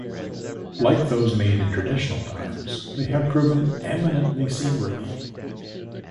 Like those made in traditional times, they have proved eminently seaworthy.